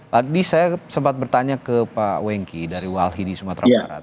tadi saya sempat bertanya ke pak wengki dari walhi di sumatera barat